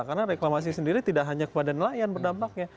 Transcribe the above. karena reklamasi sendiri tidak hanya kepada nelayan berdampaknya